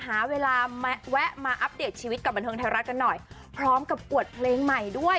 หาเวลาแวะมาอัปเดตชีวิตกับบันเทิงไทยรัฐกันหน่อยพร้อมกับอวดเพลงใหม่ด้วย